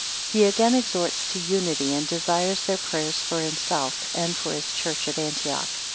He again exhorts to unity, and desires their prayers for himself, and for his church at Antioch.